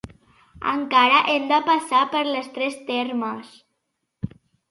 encara hem de passar per les Tres Termes